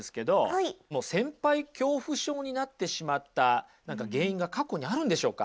先輩恐怖症になってしまった何か原因が過去にあるんでしょうか。